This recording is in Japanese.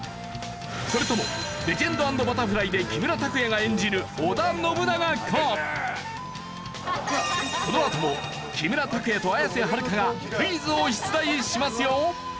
それとも『レジェンド＆バタフライ』でこのあとも木村拓哉と綾瀬はるかがクイズを出題しますよ。